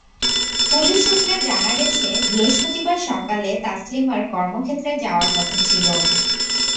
Police সূত্রে জানা গেছে, বৃহস্পতিবার সকালে তাসলিমার কর্মক্ষেত্রে যাওয়ার কথা ছিল।